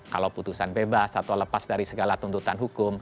kalau putusan bebas atau lepas dari segala tuntutan hukum